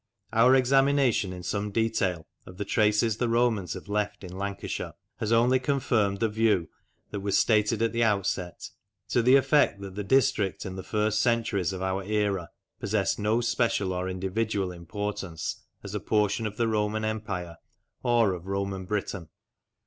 Our examination in some detail of the traces the Romans have left in Lancashire has only confirmed the view that was stated at the outset, to the effect that the district in the first centuries of our era possessed no special or individual importance as a portion of the Roman Empire or of Roman Britain.